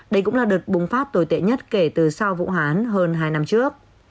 đây cũng là đợt bùng phát tồi tệ nhất kể từ sau vũ hán hơn hai năm trước